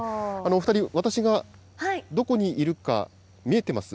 お２人、私がどこにいるか見えてます？